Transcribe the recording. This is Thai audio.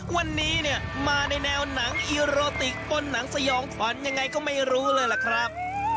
วันนี้เนี่ยมาในแนวหนังอีโรติกบนหนังสยองขวัญยังไงก็ไม่รู้เลยล่ะครับ